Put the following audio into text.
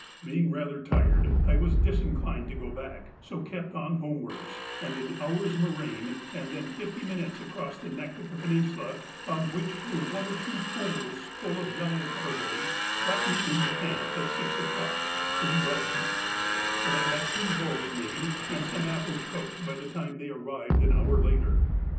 Being rather tired, I was disinclined to go back, so kept on homewards, and an hour's moraine, and then fifty minutes across the neck of the peninsula, on which were one or two pools full of yellow water lilies, brought me into camp at six o'clock pretty well beat, but I got two loaves made and some apples cooked by the time they arrived an hour later.